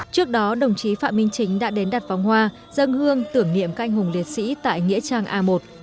trước đó đồng chí phạm minh chính đã đến đặt vòng hoa dâng hương tưởng niệm các anh hùng liệt sĩ tại nghĩa trang a một